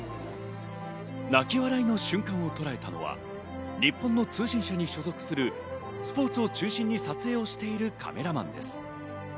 泣き笑いの瞬間をとらえたのは日本の通信社に所属するスポーツを中心に撮影をしているカメラマンです。